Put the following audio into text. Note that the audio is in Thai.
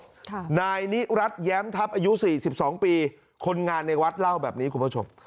ค่ะนายนิรัติแย้มทัพอายุสี่สิบสองปีคนงานในวัดเล่าแบบนี้คุณผู้ชม